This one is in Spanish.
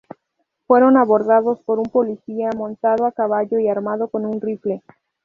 Fueron abordados por un policía montado a caballo y armado con un rifle.